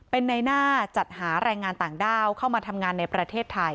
เป็นในหน้าจัดหาแรงงานต่างด้าวเข้ามาทำงานในประเทศไทย